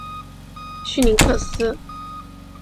绪林克斯。